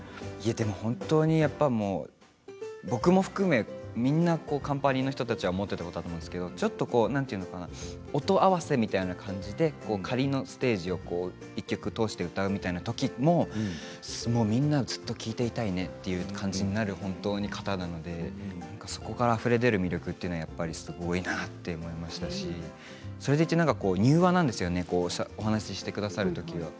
本当に僕も含めみんなカンパニーの人たちは思っていたことだと思うんですけれどもちょっと音合わせみたいな感じで仮のステージを１曲通して歌うみたいなときもみんなずっと聴いていたいねという感じになる方なので本当にそこからあふれ出る魅力というのはすごいなと思いましたしそれでいて、柔和なんですよねお話してくださるときは。